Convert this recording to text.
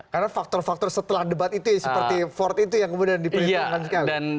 karena faktor faktor setelah debat itu seperti ford itu yang kemudian diperintahkan sekali